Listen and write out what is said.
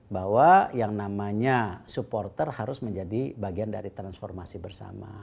bahwa yang namanya supporter harus menjadi bagian dari transformasi bersama